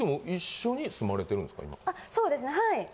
そうですねはい。